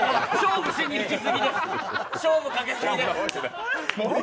勝負かけすぎです。